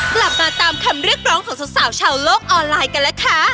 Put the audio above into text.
กลับมาตามคำเรียกร้องของสาวชาวโลกออนไลน์กันล่ะค่ะ